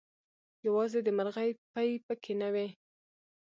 يوازې دمرغۍ پۍ پکې نه وې